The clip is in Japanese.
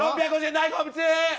大好物。